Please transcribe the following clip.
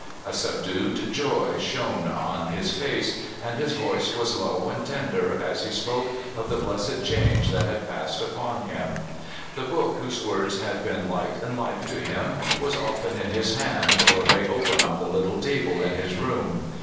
A subdued joy shone in his face, and his voice was low and tender as he spoke of the blessed change that had passed upon him. The book whose words had been light and life to him was often in his hand, or lay open on the little table in his room.